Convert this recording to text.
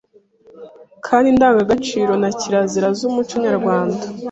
kandi indangagaciro na kirazira z’umuco nyarwanda;